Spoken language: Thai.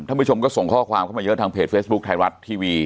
ผู้ชมก็ส่งข้อความเข้ามาเยอะทางเพจเฟซบุ๊คไทยรัฐทีวี